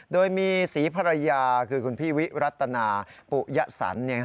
โดยมีศรีภรรยาคือคุณพี่วิรัตนาปุยสัน